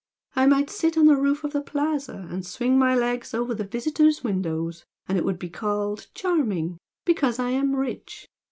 I might sit on the roof of the Plaza and swing my legs over the visitors' windows and it would be called 'charming' because I am rich!